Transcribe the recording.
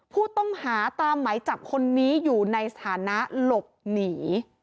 ผู้ต้องหาตามไหมจับคนนี้อยู่ในสถานะหลบหนี